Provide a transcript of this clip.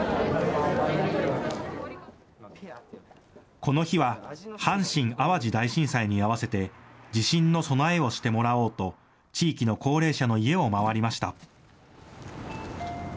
この日は阪神・淡路大震災に合わせて地震の備えをしてもらおうと地域の高齢者の家を回りました。